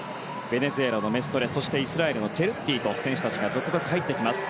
ベネズエラのメストレイスラエルのチェルティと選手たちが続々入ってきます。